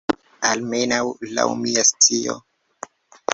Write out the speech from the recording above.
Almenaŭ laŭ mia scio.